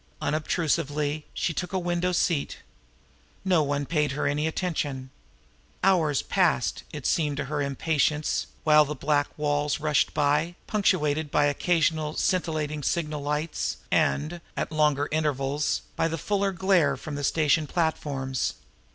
Unobtrusively she took a window seat. No one paid her any attention. Hours passed, it seemed to her impatience, while the black walls rushed by, punctuated by occasional scintillating signal lights, and, at longer intervals, by the fuller glare from the station platforms.